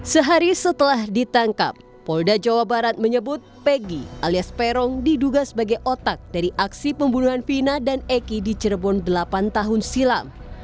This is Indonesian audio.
sehari setelah ditangkap polda jawa barat menyebut pegi alias peron diduga sebagai otak dari aksi pembunuhan pina dan eki di cirebon delapan tahun silam